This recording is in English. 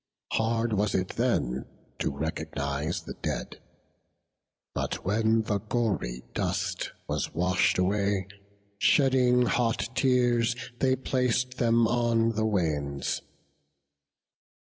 Hard was it then to recognize the dead; But when the gory dust was wash'd away, Shedding hot tears, they plac'd them on the wains.